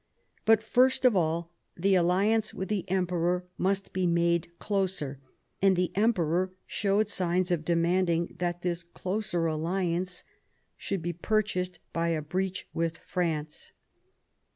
But first of all the alliance with the Emperor must be made closer, and the Emperor showed signs of demanding that this closer alliance should be purchased by a breach with France.